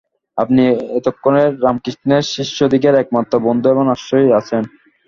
আপনি এক্ষণে রামকৃষ্ণের শিষ্যদিগের একমাত্র বন্ধু এবং আশ্রয় আছেন।